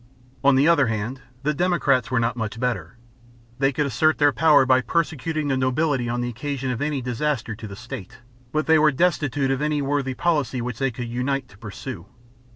On the other hand, the democrats were not much better ; they could assert their power by persecuting the nobility on the occasion of any disaster to the state, but they were destitute of any worthy policy which they could unite to pursue.